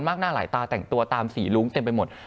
เพราะฉะนั้นทำไมถึงต้องทำภาพจำในโรงเรียนให้เหมือนกัน